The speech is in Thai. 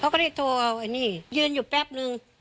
เขาก็เลยโทรเอาอันนี้ยืนอยู่แป๊บนึง